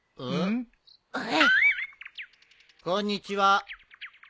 うん？こんにちは。